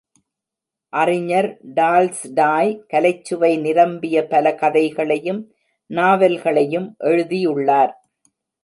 அறிஞர் டால்ஸ்டாய் கலைச்சுவை நிரம்பிய பல கதைகளையும் நாவல்களையும் எழுதியுள்ளார்.